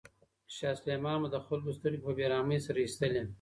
شاه سلیمان به د خلکو سترګې په بې رحمۍ سره ایستلې.